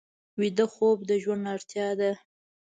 ویده خوب د ژوند اړتیا ده